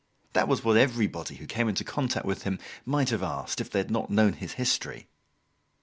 That was what everybody who came into contact with him might have asked, if they had not known his history.